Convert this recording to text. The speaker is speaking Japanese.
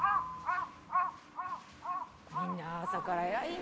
みんな朝から偉いね。